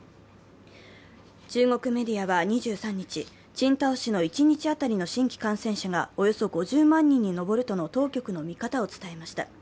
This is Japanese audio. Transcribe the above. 中国メディアは２３日、青島市の一日当たりの新規感染者がおよそ５０万人に上るとの当局の見方を伝えました。